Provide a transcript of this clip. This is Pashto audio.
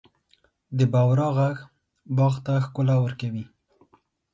د بورا ږغ باغ ته ښکلا ورکوي.